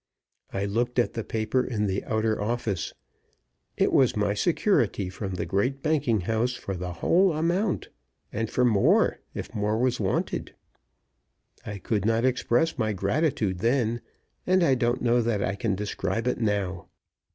I looked at the paper in the outer office. It was my security from the great banking house for the whole amount, and for more, if more was wanted. I could not express my gratitude then, and I don't know that I can describe it now.